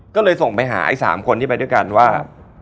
ก็เลยส่งไปหาไอ้๓คนที่ไปด้วยกันว่า